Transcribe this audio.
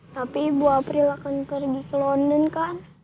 tapi ibu april akan pergi ke london kan